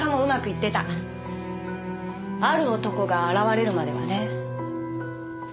ある男が現れるまではね。